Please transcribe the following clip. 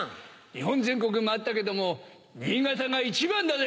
日本全国回ったけども新潟が一番だぜ。